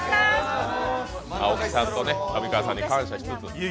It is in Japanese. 檍さんと上川さんに感謝しつつ。